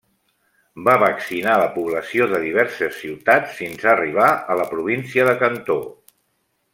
Va vaccinar la població de diverses ciutats fins a arribar a la província de Cantó.